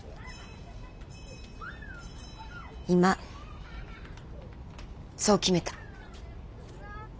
今そう決めた。